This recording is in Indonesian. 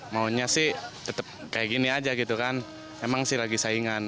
maunya sih tetap kayak gini aja gitu kan emang sih lagi saingan